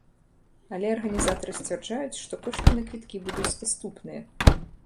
Але арганізатары сцвярджаюць, што кошты на квіткі будуць даступныя.